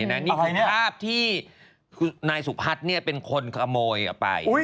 นี่คือภาพที่นายสุพัฒน์เป็นคนขโมยไป